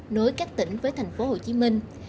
nói các tỉnh với thành phố hồ chí minh